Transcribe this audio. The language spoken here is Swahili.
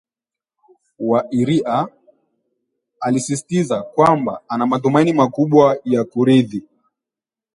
Wa Iria alisisitiza kwamba ana matumaini makubwa ya kuridhi